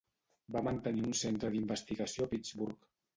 Va mantenir un centre d'investigació a Pittsburgh.